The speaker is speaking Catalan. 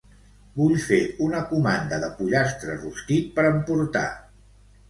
Vull fer una comanda de pollastre rostit per emportar.